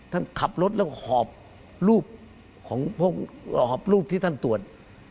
ท่านขับรถแล้วหอบรูปที่ท่านตรวจ